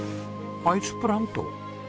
アイスプラント？